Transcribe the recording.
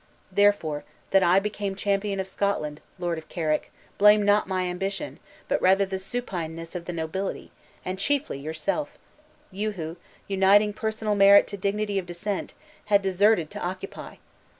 Therefore, that I became champion of Scotland, Lord of Carrick, blame not my ambition, but rather the supineness of the nobility, and chiefly yourself you who, uniting personal merit to dignity of descent, had deserted to occupy!